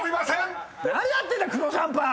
何やってんだ黒ジャンパー！